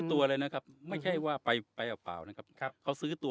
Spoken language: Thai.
ตัวเลยนะครับไม่ใช่ว่าไปไปเปล่าเปล่านะครับครับเขาซื้อตัว